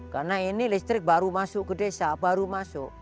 karena ini listrik baru masuk ke desa baru masuk